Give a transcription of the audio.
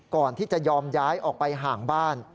ก่อนที่จะยอมย้ายออกไปห่างบ้าน